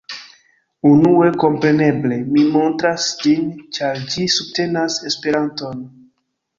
Unue, kompreneble mi montras ĝin ĉar ĝi subtenas Esperanton